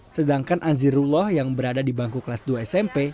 sedangkan azirullah yang berada di bangku kelas dua smp